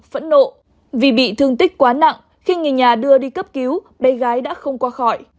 phẫn nộ vì bị thương tích quá nặng khi người nhà đưa đi cấp cứu bé gái đã không qua khỏi